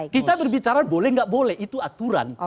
kita berbicara boleh nggak boleh itu aturan